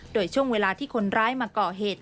โดยช่วงเวลาที่คนร้ายมาก่อเหตุ